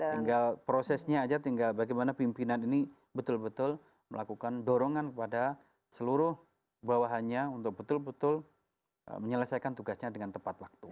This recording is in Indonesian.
tinggal prosesnya aja tinggal bagaimana pimpinan ini betul betul melakukan dorongan kepada seluruh bawahannya untuk betul betul menyelesaikan tugasnya dengan tepat waktu